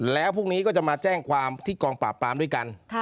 แล้วพรุ่งนี้ก็จะมาแจ้งความที่กองปราบปรามด้วยกัน